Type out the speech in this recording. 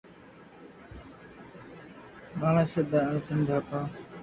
嘩，聽落好似好複雜，唔知學唔學得識呢。